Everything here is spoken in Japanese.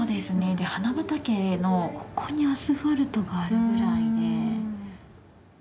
で花畑のここにアスファルトがあるぐらいで。